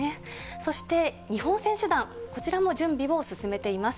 そして日本選手団、こちらも準備を進めています。